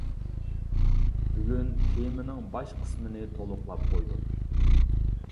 بۈگۈن تېمىنىڭ باش قىسمىنى تولۇقلاپ قويدۇم.